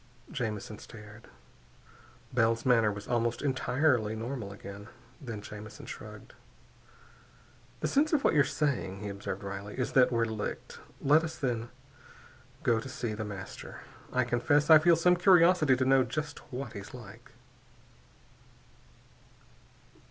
Jamison stared. Bell's manner was almost entirely normal again. Then Jamison shrugged. "The sense of what you're saying," he observed wryly, "is that we're licked. Let us, then, go to see The Master. I confess I feel some curiosity to know just what he's like."